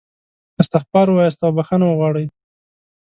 استغفار ووایاست او بخښنه وغواړئ.